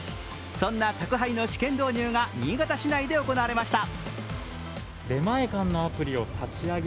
そんな宅配の試験導入が新潟市内で行われました。